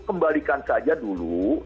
kembalikan saja dulu